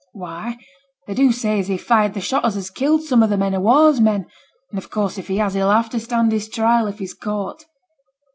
'Why, they do say as he fired the shot as has killed some o' the men o' war's men, and, of course, if he has, he'll have to stand his trial if he's caught.'